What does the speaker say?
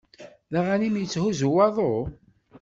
D aɣanim yetthuzzu waḍu?